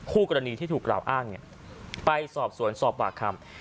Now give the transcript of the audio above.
คู่กรณีที่ถูกกล่าวอ้างไปสอบสวนสอบปากคำ